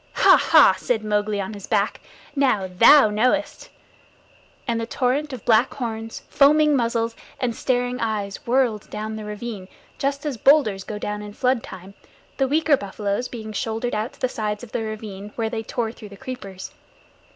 "Ha! Ha!" said Mowgli, on his back. "Now thou knowest!" and the torrent of black horns, foaming muzzles, and staring eyes whirled down the ravine just as boulders go down in floodtime; the weaker buffaloes being shouldered out to the sides of the ravine where they tore through the creepers.